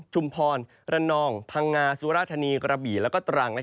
ชุมพรระนองพังงาสุรธนีย์กระบี่แล้วก็ตรัง